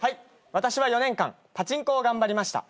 私は４年間パチンコを頑張りました。